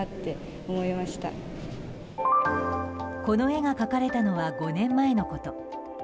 この絵が描かれたのは５年前のこと。